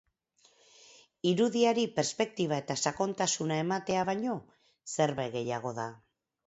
Irudiari perspektiba eta sakontasuna ematea baino zerbait gehiago da.